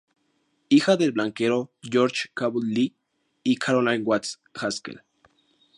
Hija del banquero George Cabot Lee y Caroline Watts Haskell.